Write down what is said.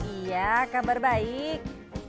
iya kabar baik